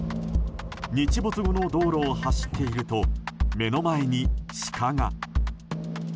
日没後の道路を走っていると目の前にシカが。